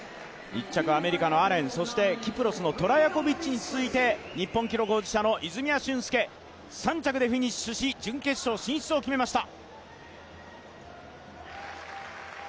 １着アメリカのアレン、キプロスのトラヤコビッチに続いて日本記録保持者の泉谷駿介３着でフィニッシュし、準決勝進出を決めました。